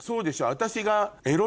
私が。